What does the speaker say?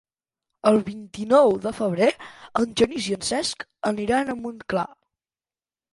El vint-i-nou de febrer en Genís i en Cesc aniran a Montclar.